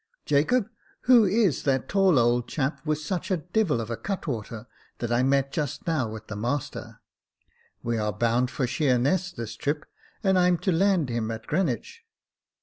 Jacob, who is that tall old chap, with such a devil of a cutwater, that I met just now with master ? We are bound for Sheerness this trip, and I'm to land him at Greenwich."